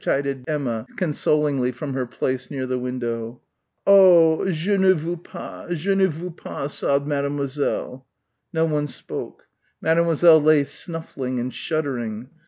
chided Emma consolingly from her place near the window. "Oh! je ne veux pas, je ne veux pas," sobbed Mademoiselle. No one spoke; Mademoiselle lay snuffling and shuddering.